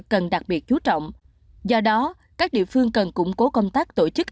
cần đặc biệt chú trọng do đó các địa phương cần củng cố công tác tổ chức